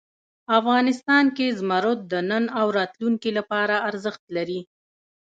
افغانستان کې زمرد د نن او راتلونکي لپاره ارزښت لري.